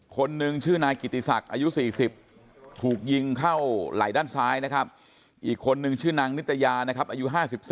คนหนึ่งชื่อนายกิติศักดิ์อายุ๔๐ถูกยิงเข้าไหล่ด้านซ้ายนะครับอีกคนนึงชื่อนางนิตยานะครับอายุ๕๔